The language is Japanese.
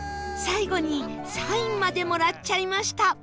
最後にサインまでもらっちゃいました